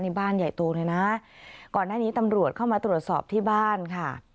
นี่บ้านใหญ่โตเลยนะก่อนหน้านี้ตำรวจเข้ามาตรวจสอบที่บ้านค่ะ